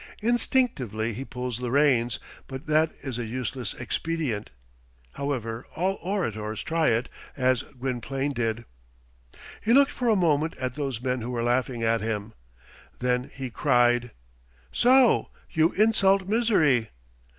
Instinctively he pulls the reins, but that is a useless expedient. However, all orators try it, as Gwynplaine did. He looked for a moment at those men who were laughing at him. Then he cried, "So, you insult misery!